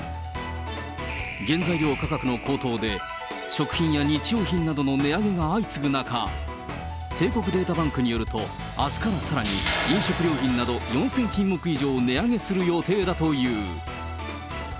原材料価格の高騰で、食品や日用品などの値上げが相次ぐ中、帝国データバンクによると、あすからさらに飲食料品など４０００品目以上、値上げする予定だという。